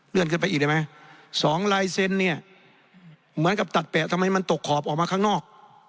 ขึ้นไปอีกได้ไหม๒ลายเซ็นต์เนี่ยเหมือนกับตัดแปะทำไมมันตกขอบออกมาข้างนอก